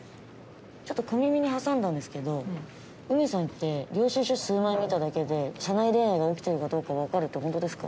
ちょっと小耳に挟んだんですけどウメさんって領収書数枚見ただけで社内恋愛が起きてるかどうか分かるってホントですか？